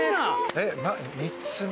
えっ３つ目？